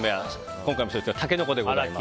今回はタケノコでございます。